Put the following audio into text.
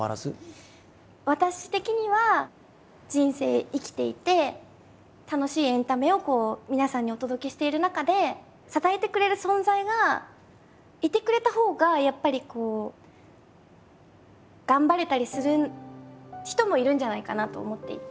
私的には人生生きていて楽しいエンタメを皆さんにお届けしている中で支えてくれる存在がいてくれたほうがやっぱりこう頑張れたりする人もいるんじゃないかなと思っていて。